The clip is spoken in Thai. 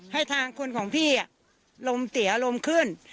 ให้ทางคนของพี่ลมเตี๋ยลมขึ้น